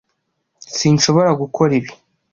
Sinshobora gukora ibi.